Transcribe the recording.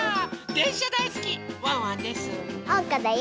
でんしゃだいすきワンワンです！